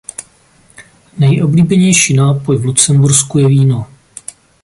Nejoblíbenější nápoj v Lucembursku je víno.